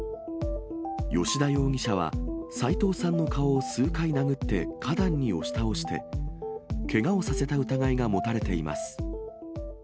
吉田容疑者は、斉藤さんの顔を数回殴って、花壇に押し倒して、けがをさせた疑いが持たれています。